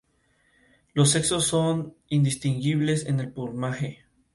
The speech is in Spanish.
Los sexos son indistinguibles en el plumaje.